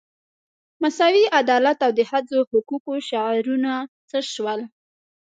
مساوي عدالت او د ښځو حقوقو شعارونه څه شول.